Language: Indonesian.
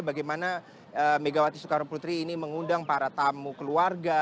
bagaimana megawati soekarno putri ini mengundang para tamu keluarga